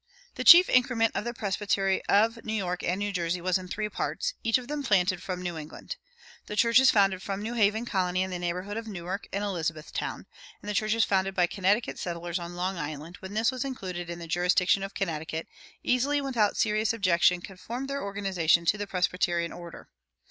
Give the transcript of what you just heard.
The chief increment of the presbytery of New York and New Jersey was in three parts, each of them planted from New England. The churches founded from New Haven Colony in the neighborhood of Newark and Elizabethtown, and the churches founded by Connecticut settlers on Long Island when this was included in the jurisdiction of Connecticut, easily and without serious objection conformed their organization to the Presbyterian order.